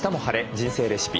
人生レシピ」